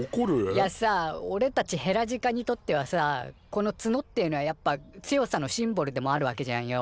いやさおれたちヘラジカにとってはさこのツノっていうのはやっぱ強さのシンボルでもあるわけじゃんよ。